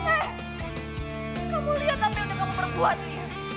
eh kamu lihat apa yang udah kamu berbuat lia